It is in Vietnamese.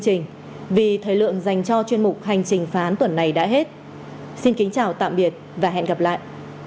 cảm ơn các bạn đã theo dõi và hẹn gặp lại